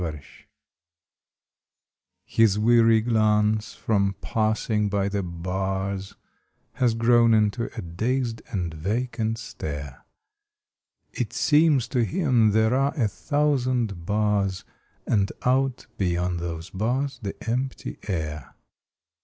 THE PANTHER His weary glance, from passing by the bars, Has grown into a dazed and vacant stare; It seems to him there are a thousand bars And out beyond those bars the empty air.